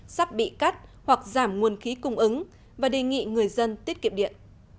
sắp bị cắt hoặc giảm nguồn khí cung ứng và đề nghị người dân tiết kiệm điện